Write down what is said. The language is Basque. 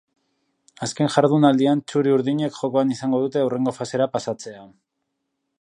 Azken jardunaldian txuri-urdinek jokoan izango dute hurrengo fasera pasatzea.